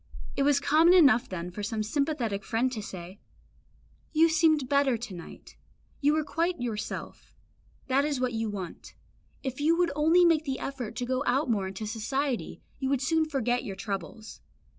It was common enough then for some sympathetic friend to say, "You seemed better to night you were quite yourself; that is what you want; if you would only make the effort and go out more into society, you would soon forget your troubles."